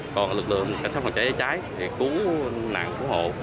còn lực lượng cảnh sát phòng cháy chữa cháy thì cứu nạn cứu hộ